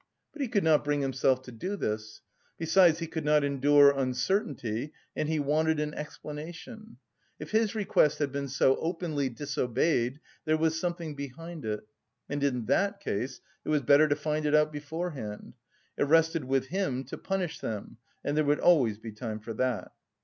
But he could not bring himself to do this. Besides, he could not endure uncertainty, and he wanted an explanation: if his request had been so openly disobeyed, there was something behind it, and in that case it was better to find it out beforehand; it rested with him to punish them and there would always be time for that.